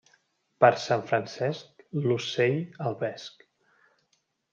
Per Sant Francesc, l'ocell al vesc.